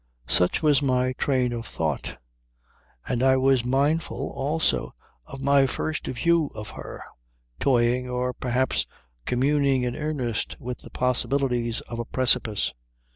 Such was my train of thought. And I was mindful also of my first view of her toying or perhaps communing in earnest with the possibilities of a precipice.